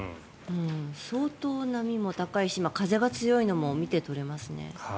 相当波も高いし風も強いのが見て取れますね。